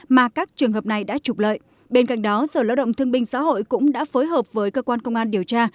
mà các trường hợp này đã trục lợi bên cạnh đó sở lao động thương binh xã hội cũng đã phối hợp với cơ quan công an điều tra